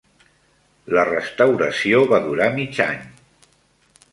La restauració va durar mig any.